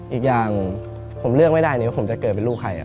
อีกอย่างผมเลือกไม่ได้เลยว่าผมจะเกิดเป็นลูกใคร